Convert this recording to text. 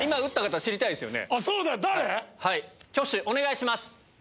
はい挙手お願いします。